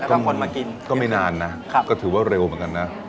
ก็คนมากินก็ไม่นานนะก็ถือว่าเร็วเหมือนกันนะ